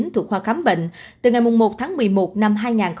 thuộc khoa khám bệnh từ ngày một tháng một mươi một năm hai nghìn hai mươi